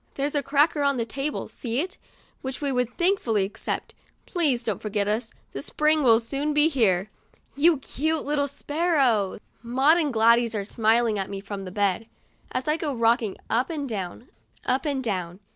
There's a cracker on that table, see it ? which we would thankfully accept. Please don't forget us, the Spring will soon be here." You cute little sparrows ! 87 THE DIARY OF A BIRTHDAY DOLL Maud and Gladys are smiling at me from the bed, as I go rocking up and down, up and down.